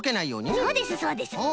そうですそうです。